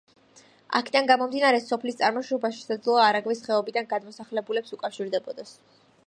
აქედან გამომდინარე, სოფლის წარმოშობა შესაძლოა არაგვის ხეობიდან გადმოსახლებულებს უკავშირდებოდეს.